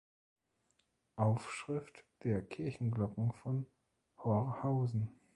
Aufschrift der Kirchenglocken von Horhausen